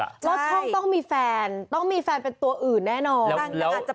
อ่ะใช่ต้องมีแฟนต้องมีแฟนเป็นตัวอื่นน่า